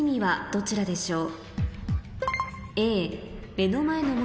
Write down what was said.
どちらでしょう？